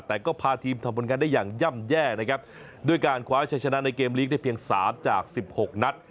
แต่ก็พาทีมทำบนการได้อย่างย่ำแยกด้วยการคว้าใช้ชนะในเกมลีกได้เพียง๓จาก๑๖นัด